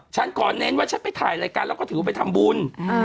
ฉันขอเน้นว่าฉันไปถ่ายรายการแล้วก็ถือว่าไปทำบุญ